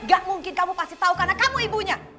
gak mungkin kamu pasti tahu karena kamu ibunya